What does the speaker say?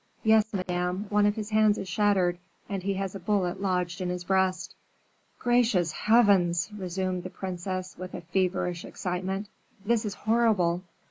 "Yes, Madame; one of his hands is shattered, and he has a bullet lodged in his breast." "Gracious heavens!" resumed the princess, with a feverish excitement, "this is horrible!